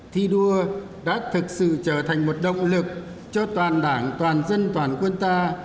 thi đua đã thực sự trở thành một động lực cho toàn đảng toàn dân toàn quân ta